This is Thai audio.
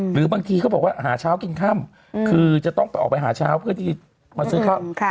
หรือบางทีเขาบอกว่าหาเช้ากินค่ำคือจะต้องไปออกไปหาเช้าเพื่อที่จะมาซื้อข้าว